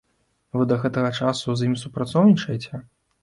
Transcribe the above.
Вы да гэтага часу з імі супрацоўнічаеце?